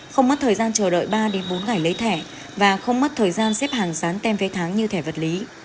không mất thời gian chờ đợi ba bốn ngày lấy thẻ và không mất thời gian xếp hàng dán tem vé tháng như thẻ vật lý